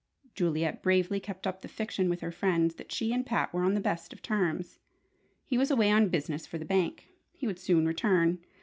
Juliet bravely kept up the fiction with her friends that she and Pat were on the best of terms. He was away on business for the bank. He would soon return.